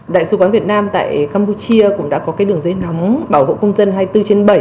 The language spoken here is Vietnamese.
đại sứ quán việt nam tại campuchia cũng đã có đường dây nóng bảo hộ công dân hai mươi bốn trên bảy